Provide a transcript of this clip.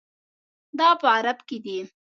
دا په غرب کې دي.